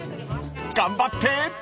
［頑張って］